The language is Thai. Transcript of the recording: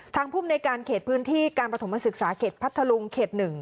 ภูมิในการเขตพื้นที่การประถมศึกษาเขตพัทธลุงเขต๑